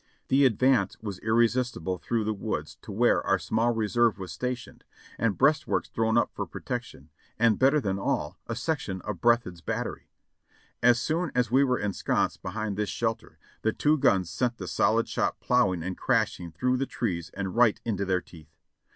The advance was irresistible through the woods to where our small reserve was stationed and breastworks thrown up for protection, and better than all, a section of Breathed's battery. As soon as we were ensconced behind this shelter, the two guns sent the solid shot ploughing and crashing through the trees and right into tlieir teeth.